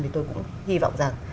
thì tôi cũng hy vọng rằng